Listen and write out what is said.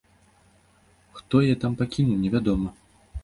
Хто яе там пакінуў, невядома.